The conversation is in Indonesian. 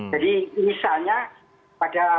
jadi misalnya pada